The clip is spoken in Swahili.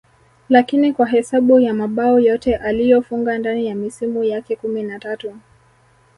lakini kwa hesabu ya mabao yote aliyofunga ndani ya misimu yake kumi na tatu